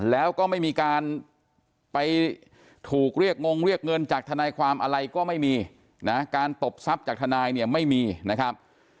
แล้วก็ไม่มีการไปถูกเรียกงงเรียกเงินจากทนายความอะไรก็ไม่มีนะการตบทรัพย์จากทนายเนี่ยไม่มีนะครับ